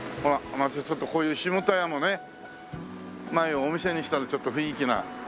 またちょっとこういうしもた屋もね前をお店にしたらちょっと雰囲気な。